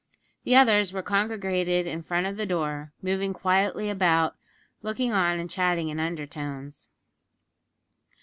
The others were congregated in front of the door, moving quietly about, looking on and chatting in undertones.